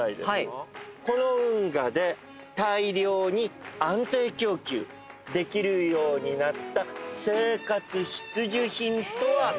この運河で大量に安定供給できるようになった生活必需品とは何でしょう？